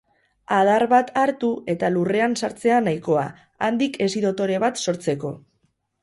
Adar bat hartu eta lurrean sartzea nahikoa, handik hesi dotore bat sortzeko.